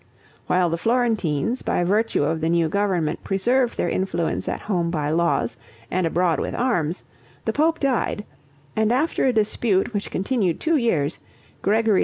While the Florentines, by virtue of the new government, preserved their influence at home by laws, and abroad with arms, the pope died, and after a dispute, which continued two years, Gregory X.